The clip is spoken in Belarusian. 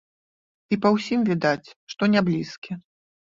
І па ўсім відаць, што няблізкі.